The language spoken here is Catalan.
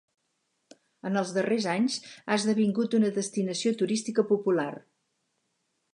En els darrers anys ha esdevingut una destinació turística popular.